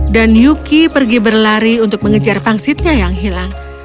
dan yuki pergi berlari untuk mengejar pangsitnya yang hilang